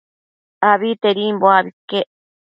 Abitedimbo abi iquec